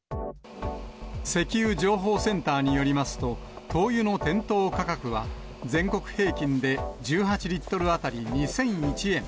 石油情報センターによりますと、灯油の店頭価格は、全国平均で１８リットル当たり２００１円。